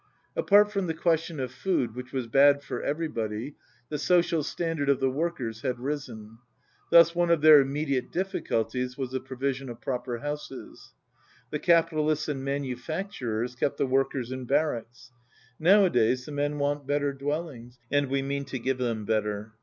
Apart from the question of food, which was bad for everybody, the social standard of the work ers had risen. Thus one of their immediate diffi culties was the provision of proper houses. The capitalists and manufacturers kept the workers in barracks. "Now a days the men want better dwellings and we mean to give them better.